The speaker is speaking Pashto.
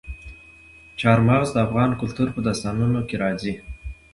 چار مغز د افغان کلتور په داستانونو کې راځي.